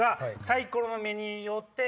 サイコロの目によって。